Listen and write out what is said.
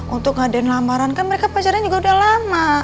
untuk ngadain lamaran kan mereka pacarnya juga udah lama